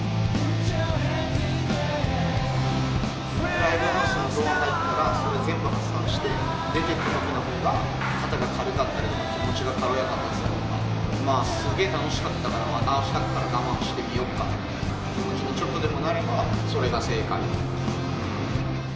ライブハウスのドア入ったら、それ全部発散して、出ていったときのほうが肩が軽かったり、気持ちが軽やかになってたり、まあすげぇ楽しかったから、またあしたから我慢してみようかって気持ちにちょっとでもなれば、それが正解。